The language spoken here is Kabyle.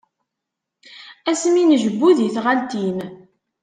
Ass mi njebbu di tɣaltin.